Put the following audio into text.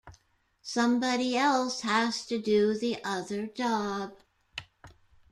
Somebody else has to do the other job.